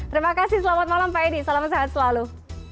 terima kasih selamat malam pak edi salam sehat selalu